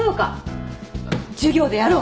授業でやろう。